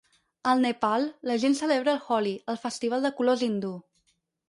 Al Nepal, la gent celebra el Holi, el festival de colors hindú.